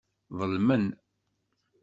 Ḍelmen.